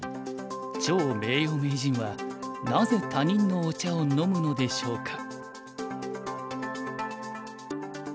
趙名誉名人はなぜ他人のお茶を飲むのでしょうか？